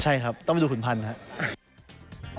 ใช่ครับต้องไปดูขุนพันธุ์ครับ